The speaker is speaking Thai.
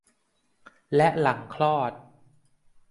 และหลังคลอด